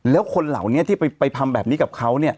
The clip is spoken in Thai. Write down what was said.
แล้วคนเหล่านี้ที่ไปทำแบบนี้กับเขา